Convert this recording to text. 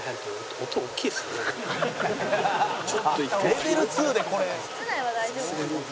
「レベル２でこれ」